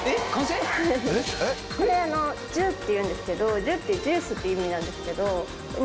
これ「ジュ」っていうんですけど「ジュ」って「ジュース」っていう意味なんですけど。